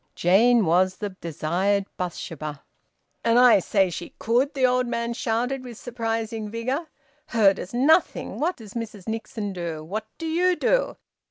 Jane was the desired Bathsheba. "And I say she could!" the old man shouted with surprising vigour. "Her does nothing! What does Mrs Nixon do? What do you do?